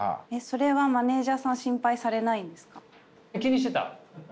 それはマネージャーさん心配されないんですか？